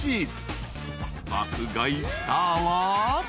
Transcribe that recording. ［爆買いスターは］